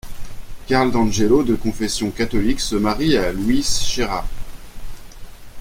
Karl d'Angelo, de confession catholique, se marie à Luise Scherach.